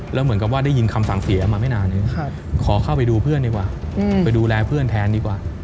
แล้วเหมือนกับว่าได้ยินคำสั่งเสียมาไม่นานขอเข้าไปดูเพื่อนดีกว่าไปดูแลเพื่อนแทนดีกว่า